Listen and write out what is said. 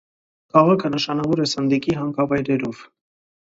Քաղաքը նշանավոր է սնդիկի հանքավայրերով։